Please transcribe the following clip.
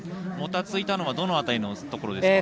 もたついたのはどの辺りですか。